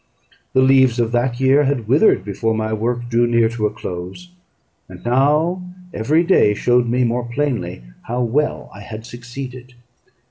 The leaves of that year had withered before my work drew near to a close; and now every day showed me more plainly how well I had succeeded.